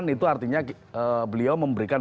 itu artinya beliau memberikan